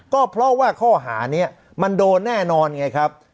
ก็เพราะว่าข้อหานี้มันโดนแน่นอนไงครับ